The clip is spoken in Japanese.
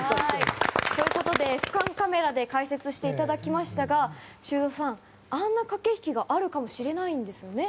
俯瞰カメラで解説していただきましたが修造さん、あんな駆け引きがあるかもしれないんですね。